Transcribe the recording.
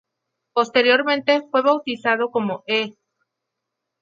Posteriormente, fue bautizado como E!